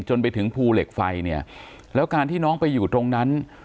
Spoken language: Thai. จนไปถึงภูเหล็กไฟเนี่ยแล้วการที่น้องไปอยู่ตรงนั้น